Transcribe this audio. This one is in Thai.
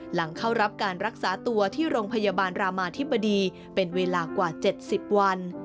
หลังเข้ารับการรักษาตัวที่โรงพยาบาลรามาธิบดีเป็นเวลากว่า๗๐วัน